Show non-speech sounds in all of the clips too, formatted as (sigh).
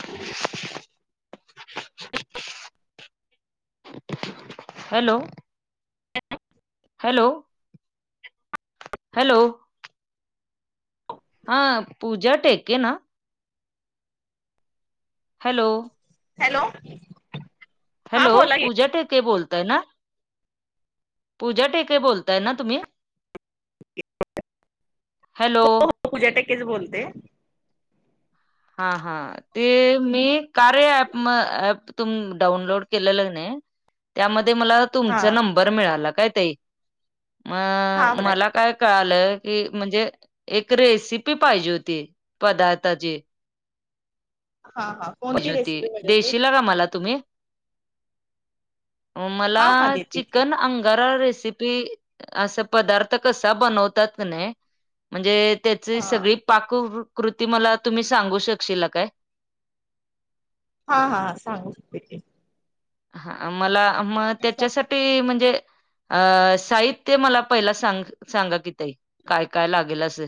(inaudible) Hello (unintelligible) hello hello हा पूजा टेके ना. Hello hello. हा हॅलो बोला की पूजा ठेके बोलताय ना? पूजा टेके बोलताय ना तुम्ही? हॅलो. हो पूजा टेके च बोलते. हां हां. ते मी कार्या अँप म तून डाउनलोड केलेल न. त्यामध्ये मला हा तुमचा नंबर मिळाला काय ताई म हा बोला की मला काय कळालं की म्हणजे एक रेसिपी पाहिजे होती पदार्थाची. हा हा. पायजे कोणती होती रेसिपी पाहिजे होती देशीला का मला तुम्ही? मला हा हा देते की चिकन अंगार रेसिपी ती अस पदार्थ कसा बनवतात म्हणे म्हणजे त्याची हा सगळी पाककृती मला तुम्ही सांगू शकशील काय? हा हा सांगू (unintelligible) हा मला मग त्याच्यासाठी म्हंजे अ साहित्य मला पहिला सांग सांगा की तई काय काय लागेल असं.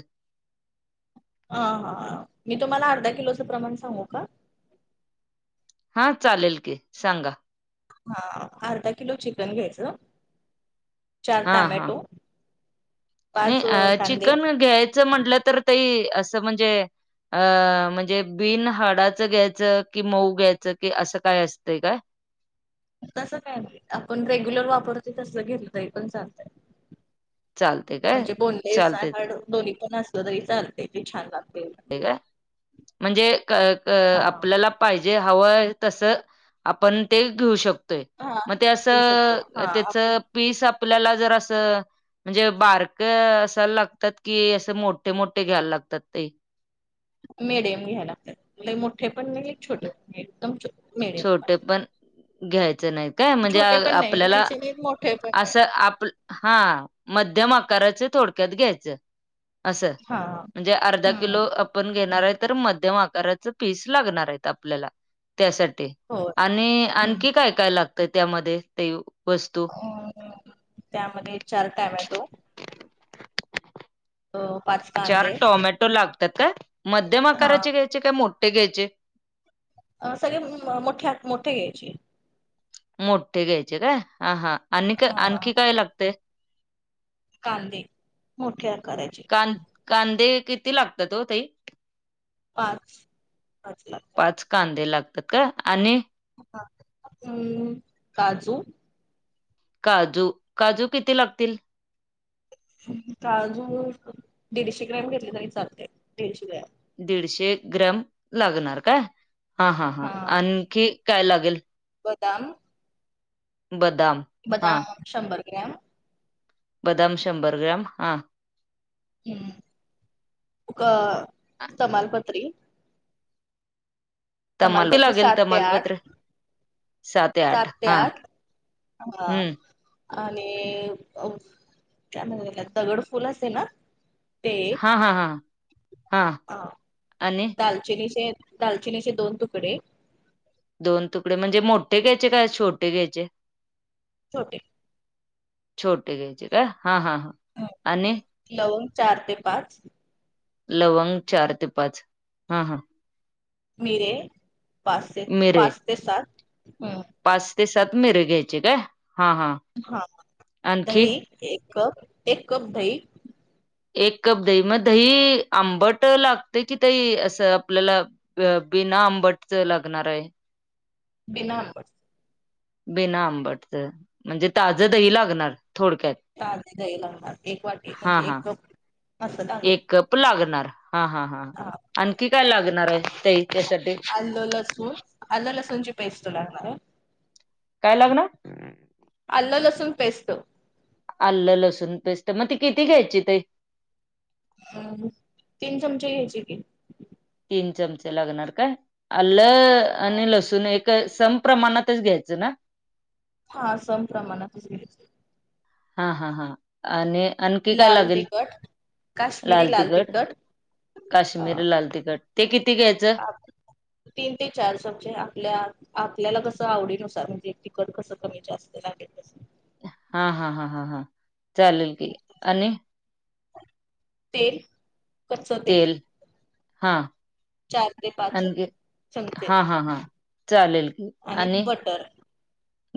ह हा मी तुम्हाला अर्धा किलोचं प्रमाण सांगू का? हा चालेल की सांगा. हा अर्धा किलो चिकन घ्यायचं चार टामॅटो. नी अ चिकन घ्यायचं म्हटलं तर ताई असं म्हंजे. अ म्हणजे बिन हाडाचं घ्यायचं की मऊ घ्यायचं की असं काय असतंय काय? तसं काय नाही आपण रेग्युलर वापरत तसं घेतलय तरी पण चालतंय. चालते काय म्हणजे बोनलेस चालते ते हाड दोन्ही पण असलं तरी चालते ते छान लाग ते काय म्हणजे क क हा आपल्याला पाहिजे हवं आहे तसं आपण ते घेऊ शकतोय. हा मग ते असं देऊ शकतो अ हा त्याच पीस आपल्याला जर असं म्हणजे बारक असा लागतात की असं मोठे मोठे घ्याय लागतात ताई. मेडियम घ्याय लागतात लय मोठे पण नाही छोटे पण नाही एकदम छो छोटे पण घ्यायच नाहीत. काय म्हणजे छोटे अ पण नाही आपल्याला घ्यायचे नाहीत मोठे पण नाही असं आप हा मध्यम आकाराच थोडक्यात घ्यायचं. असं हा म्हणजे अर्धा हम्म किलो आ पण घेणारय तर मध्यम आकाराच पीस लागणार आहेत आपल्याला त्यासाठी. ते होय आणि हम्म. आणखी काय काय लागतं त्यामध्ये ते वस्तू? अ त्यामध्ये चार टॅमॅटो अ पाच चार कांदे टोमॅटो लागतात काय मध्यम हा आकाराचे घ्यायचे काय मोठ्ठे घ्यायचे? अ सगळे म मोठे आ मोठे घ्यायचे. मोठ्ठे घ्यायचे काय आ हा आणि हा हा आणखी हा. काय लागतेय? कांदे मोठ्या आकारायचे. कान कांदे किती लागतात ओ ताई? पाच पाच लागतात. पाच कांदे लागतात काय आणि? हम्म काजू. काजू काजू किती लागतील? काजू दीडशे ग्रॅम घेतले तरी चालते दीडशे ग्रॅम. दीडशे ग्रॅम लागणार काय? हां हां हां हा आणखी काय लागेल? बदाम. बदाम. हा बदाम शंभर ग्रॅम बदाम शंभर ग्रॅम हा. हम्म क तमालपत्री तमाल किती तमालपत्री लागेल सात ते आठ तमालपत्र सात ते आठ हा. हम्म आणि फ काय म्हणतात त्याला दगड फुल असेल ना ते. हा हा हा हा. हा आणि दालचिनीचे दालचिनीचे दोन तुकडे दोन तुकडे म्हणजे मोठे घ्यायचे काय छोटे घ्यायचे? छोटे. छोटे घ्यायचे का हा हा हा हं. आणि लवंग चार ते पाच लवंग चार ते पाच हा हा मिरे पाच ते मिरे पाच ते सात हम्म. पाच ते सात मिरे घ्यायचे काय हा हा. हा आणखी दही एक कप एक कप दही. एक कप दही मग दही आंबट लागते कि ताई असं आपल्याला अ बिना आंबटच लागणार आहे. बिना आंबट. बिना आंबटचं म्हणजे ताजं दही लागणार थोडक्यात ताज दही लागणार एक वाटी हा म्हणजे हा एक अस दांगली. एक कप लागणार हा हा हा हा आणखी काय लागणार आहे ते त्यासाठी आल लसुन आलं लसूण ची पेस्ट लागणार आहे. काय लागणार? अल्लं लसूण पेस्ट. आलं लसूण पेस्ट मग ती किती घ्यायची ताई. अ तीन चमचे घ्यायची की. तीन चमचे लागणार काय आलं आणि लसूण एक समप्रमाणातच घ्यायचं ना? हा समप्रमाणातच घ्यायच. हा हा हा आणि आणखी काय लाल लागेल. तिखट लाल तिखट अ काश्मीर लाल तिखट ते किती घ्यायचं? तीन ते चार चमचे आपल्या आपल्याला कसं आवडीनुसार म्हणजे तिकट कसं कमी जास्त लागेल कस हा हा हा हा हा चालेल की आणि तेल तेल हा चार ते पाच आणि ते चमचे हा हा हा. चालेल आणि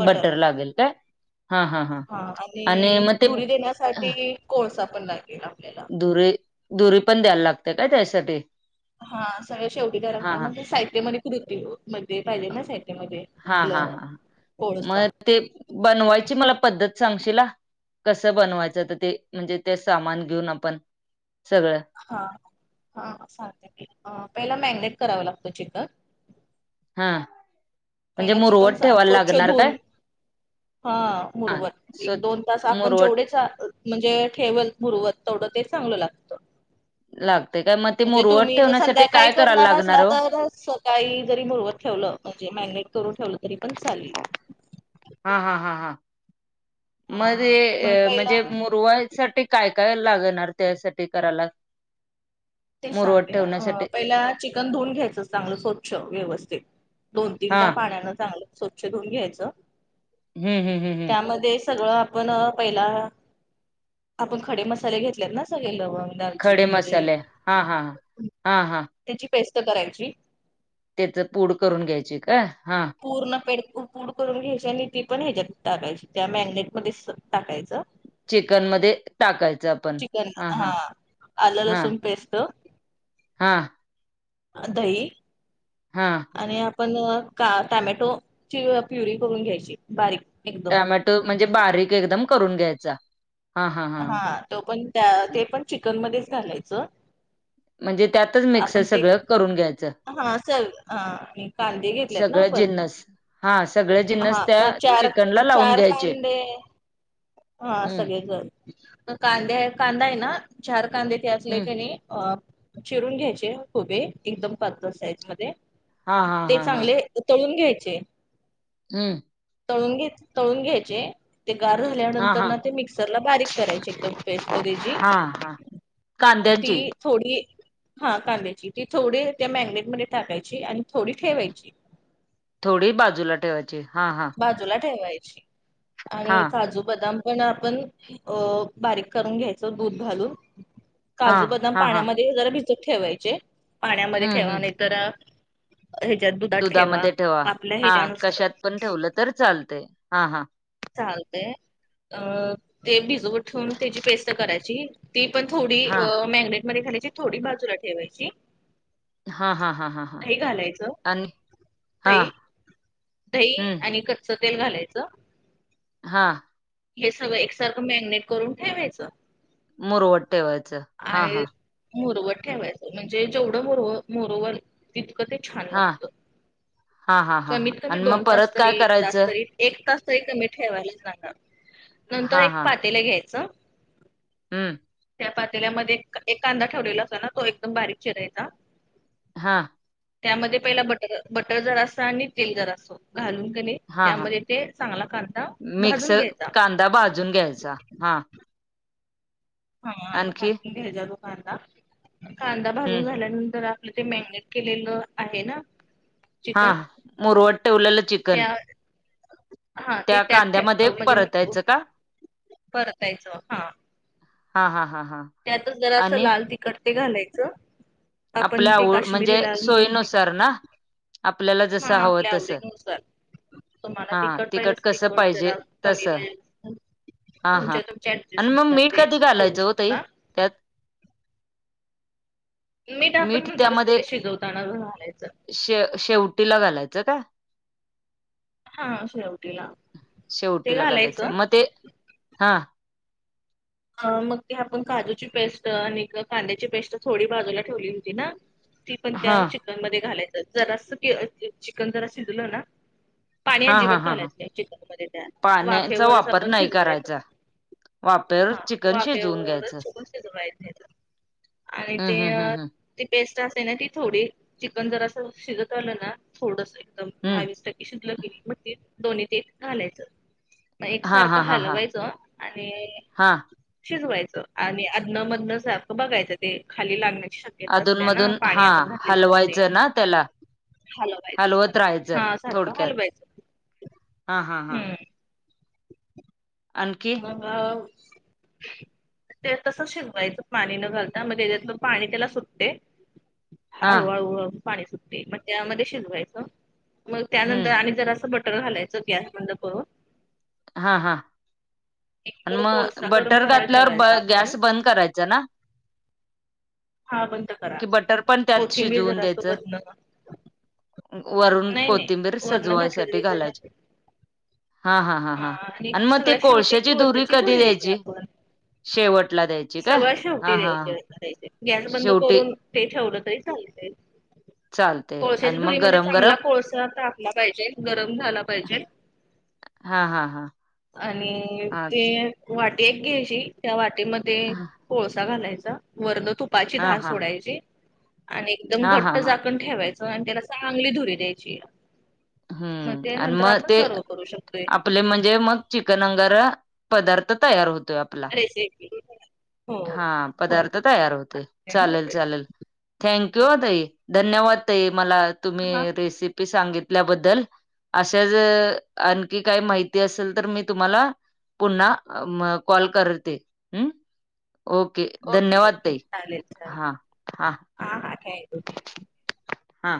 बटर लागेल काय हा हा. हा आणि मग धुरी ते देण्यासाठी कोळसा पण लागेल आपल्याला. दुरी धुरी पण द्यायला लागते काय त्यासाठी. हा सगळ्या शेवटीदार हा आपल्या हा म्हणजे साहित्यमध्ये कृती मध्ये पाहिजे ना साहित्यमध्ये हा हा हा मग ते बनवायची मला पद्धत सांगशील हा. कसं बनवायचं त ते म्हणजे ते सामान घेऊन आपण सगळं. हा हा सांगते की पहिला मॅग्नेट कराव लागतो चिकन. हा म्हणजे पहिला मुरवट चिकन सा- ठेवायला स्वच्छ लागणार धुवून काय? हा मुर्वर एक स्वच्छ दोन तास आपण मुरवट जेवढे म्हणजे ठेवल मुरवत तेवढं ते चांगलं लागतं. लागते काय मग ते म्हणजे मुरवट तुम्ही जर ठेवण्यासाठी संध्याकाळी काय करायला करणार लागणार असला हो तर स काळी जरी मुरवत ठेवलं म्हणजे मॅग्नेट करून ठेवलं तरी पण चालेल. हा हा हा हा. मध्ये हा मग अ म्हणजे पहिला मुरवाय साटी काय काय लागणार त्यासाठी करायला? तेच मुरवट सांगते अ ठेवण्यासाठी पहिला चिकन धुवून घ्यायचं चांगलं स्वच्छ व्यवस्थित दोन हा तीनदा पाण्यान चांगलं स्वच्छ धुऊन घ्यायचं. हम्म हम्म हम्म हम्म त्यामध्ये सगळं पण पहिला आपण खडे मसाले घेतल्यात ना सगळे लवंग खडे दालचिन मिरे मसाले हा हा हा हा हा. त्याची पेस्ट करायची. त्याच पूड करून घ्यायची का? हा. पूर्ण पेडक पूड करून घ्यायची आणि ती पण ह्याच्यात टाकायची त्या मॅगनेटमध्येस टाकायचं. चिकन मध्ये टाकायचं. आपण चिकन हा हां हा आलं लसूण पेस्त हां. आ धई हां. आणि आपण का टॉमॅटो ची प्युरी करून घ्यायची बारीक एक टमॅटो म्हणजे बारीक एकदम करून घ्यायचा. हा हा हा हां तो पण त्या ते पण चिकन मध्येच घालायचं. म्हणजे त्यातच मिक्सर सगळं करून घ्यायचं. हां चल हां हे कांदे घेतल्यात ना सगळं आपण जिन्नस हा सगळे हां जिन्नस त्या मग चार चिकनला लावून चार घ्यायचे कांदे हां हम्म सगळे जण कांदे कांदाय ना चार कांदे ते असले हम्म की नई अ चिरून घ्यायचे हुबे एकदम पातळ साईज मधे हा हा ते हा हा चांगले तळून घ्यायचे. हम्म. तळून घेत तळून घेयचे ते गार हा झाल्यानंतर हा ना ते मिक्सरला बारीक करायची एकदम पेस्ट त्याची कांद्याची. ती थोडी हां कांद्याची ती थोडी त्या मॅगनेट मध्ये टाकायची आणि थोडी ठेवायची. थोडी बाजूला ठेवायची हां हा. बाजूला ठेवलाय हा आणि काजू-बदाम पण आपण अ बारीक करून घ्यायच दूध घालून, हा काजू बदाम हा हा पाण्यामध्ये ते जरा भिजत ठेवायचे पाण्यामध्ये हम्म ठेवा हम्म नाय तर हेच्यात दुधात ठेवा दुधामध्ये आपल्या हा ह्याच्यानुसार. कशात पण ठेवलं तर चालते, हां हां चालतय, अ ते भिजूवत ठेवून त्याची पेस्ट करायची. ती पण थोडी हां, अ मँगनेट मध्ये घालायची, थोडी बाजूला ठेवायची. हा हा हा हा. दही घालायचं हां, दही. दही हं, आणि कच्चं तेल घालायचं. हां. हे सगळं एकसारखं मॅगिनेट करून ठेवायचं. मुरवत ठेवायच हा हा. मूरवर ठेवायचं म्हनजे जे जेवढं मूर व मूरवल तितकं ते छान हां, लागत. हां, हां, हां, हां कमीत कमी आणि मग दोन तास परत काय तरी एक तास करायचं? तरी एक तास तरी कमी ठेवायला सांगा नंतर हां, एक पातेले घ्यायचं हम्म. त्या पातेल्यामध्ये एक कांदा ठेवलेला असत ना तो एकदम बारीक चिरायचा. हा. त्यामध्ये पहिला बटर बटर जरासं आणि तेल जरासं घालून का नाही हां, हां त्यामध्ये ते चांगला कांदा भाजून मिक्सर घ्यायचं कांदा भाजून घ्यायचा हा. हा आणखी? भाजून घ्यायचा तो कांदा, कांदा भाजून हं, झाल्यानंतर आपलं ते मॅरीनेट केलेलं आहे ना? हा चिकन मुरवत ठेवललं त्या चिकन. हा, ते त्या त्यात कांद्यामध्ये म्हणजे परतायचं का? परतायचं, हा हा हा हा हा. त्यातच जरा असं लाल तिखट ते घालायचं आपण ते काश्मिरी लाल मिर्ची घ्याय. कर ना. आपल्याला हा, जसं हवं आपल्या तसं. आवडीनुसार. तुम्हाला हां, तिखट पाहिलंच, कसं तिखट पाहिजे जरा कमी तसं. पाहिल असल तर हां, हां. तुमच्या तुमच्या ऍडजेस्टनुसार ते करू शक ओ ताई त्यात मीठ आपण नंतरच शिजवतानाच घालायचं. शे -शेवटीला घालायचं का? हा शेवटीला (inaudible) शेवटीला घालायचं, मगं ते हा मग ते आपण काजूची पेस्ट आणि कांद्याची पेस्ट थोडी बाजूला ठेवली होती ना ती पण त्या हा चिकन मध्ये घालायचं. जरासं चिकन जरा शिजलं ना पाणी हा हा अजिबात हा हा घालायच नाय चिकन मध्ये त्या पाण्याचा वाफेवरच वापर आपण नाही शिजवायचं. करायचा वापर हा, चिकन शिजवून वाफेवरच घ्यायचं ठेवून शिजवायचं ते आणि हा हा हा ती पेस्ट असे ना ती थोडी चिकन जर असं शिजत आलं ना थोडस हम्म दहावीस टक्के शिजलकनी मग ते दोन्ही तेे घालायचं. मगं एकसारखं हलवायचं आणि हां. शिजवायचं आणि अदन-मधनं सारखं बघायचं ते, खाली लागण्याची शक अधून मधून हा हलवायचं ना त्याला. हलवायचं हालवत सारखं राहायचं हा सारखं थोडक्यात हलवायचं हा हा हा.. आणखी. हव. ते तस शिजवायचं पाणी न घालता म याच्यातलं पाणी त्याला सुटते हा हाळू हाळू हळू पाणी सुटते मग त्यामध्ये शिजवायचं मग हम्म त्यानंतर आणि जर असं बट सगळं घालायचं ग्यासबंद करून हा हा एकीकडे म कोळसा गरम बटर करायला घातल्यावर ब ठेवायचा आपण गॅस बंद करायचा ना? हा बंद करा कि बटर पण त्यात कोथिंबीर शिजवून जरा असं द्यायचं? वरण वरून नाही नाही कोथिंबीर वरण सजवायसाठी घातलेली जरा घालायची हा हा. हा हा आणि म ते कोळशाची धुरी कधी द्यायची? शेवटला द्यायची काय सगळ्या हा शेवटी हां. द्यायचे गॅस बंद करून ते ठेवलं तरी चालतंय. चालतय आणि कोळश्याच्या धुरी मग म्हणजे गरम गरम चांगला कोळसा तापला पाहिजे. गरम झाला पाहिजे. हा हा हा. आणि हा ते वाटी एक घ्यायची त्या वाटीमध्ये हा कोळसा घालायचा वरनं तुपाची धार हा सोडायची आणि एकदम हा हा घट्ट हा झाकण ठेवायचं आणि त्याला चांगली धुरी द्यायची. मग हम्म ते आणि नंतर मग आपण ते सर्व करू शकतो. आपले म्हणजे मग चिकन अंगारा पदार्थ तयार होतोय. रेसिपी हो (unintelligible) हा हो पदार्थ तयार होते चालेल चालेल थँंक्यू हो तई धन्यवाद ताई मला तुम्ही हा रेसिपी सांगितल्याबद्दल अशाच आणखी काही माहिती असेल तर मी तुम्हाला पुन्हा कॉल करते ह ओके ओके धन्यवाद ओके ताई चालेल चालेल हा हा हा हा काय हो हा